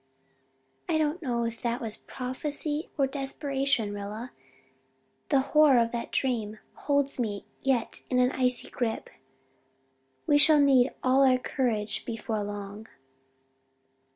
"I do not know if that was prophecy or desperation, Rilla, the horror of that dream holds me yet in an icy grip. We shall need all our courage before long."